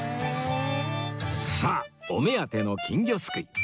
さあお目当ての金魚すくい